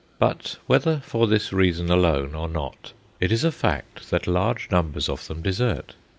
But whether for this reason alone or not, it is a fact that large numbers of them desert.